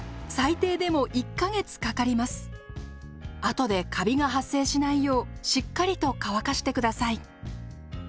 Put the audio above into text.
後でカビが発生しないようしっかりと乾かして下さい。